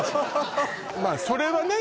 まあそれはね